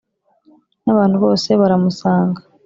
n’abantu bose baramusanga